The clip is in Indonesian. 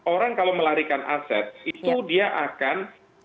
orang kalau melarikan aset itu dia akan